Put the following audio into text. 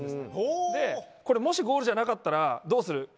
もしゴールじゃなかったらどうする。